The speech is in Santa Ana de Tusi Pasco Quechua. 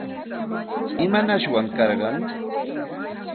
¿Imanashwan karqan?